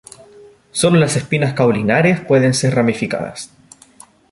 Sólo las espinas caulinares pueden ser ramificadas.